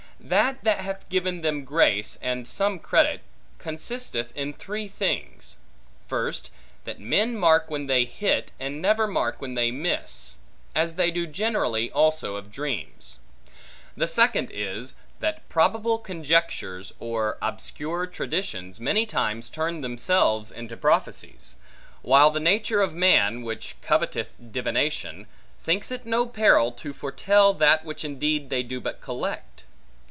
That that hath given them grace, and some credit, consisteth in three things. First, that men mark when they hit, and never mark when they miss; as they do generally also of dreams. The second is, that probable conjectures, or obscure traditions, many times turn themselves into prophecies; while the nature of man, which coveteth divination, thinks it no peril to foretell that which indeed they do but collect.